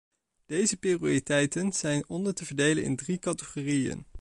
Deze prioriteiten zijn onder te verdelen in drie categorieën.